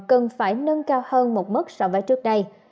cần phải nâng cao hơn một mức so với trước đây